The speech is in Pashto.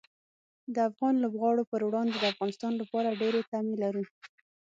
د افغان لوبغاړو پر وړاندې د افغانستان لپاره ډېرې تمې لرو.